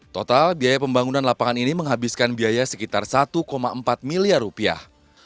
total biaya pembangunan lapangan ini menghabiskan biaya sekitar satu empat miliar rupiah